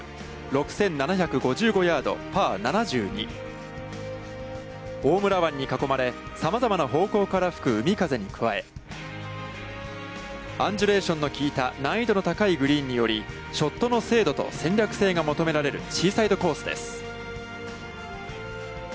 ６７５５ヤード、パー７２大村湾に囲まれさまざまな方向から吹く海風に加えアンジュレーションの効いた難易度の高いグリーンによりショットの精度と戦略性が求められるシーサイドコースです。